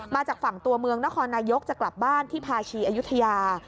มาจากฝั่งตัวเมืองนครนายกจะกลับบ้านที่พาชีอายุทยา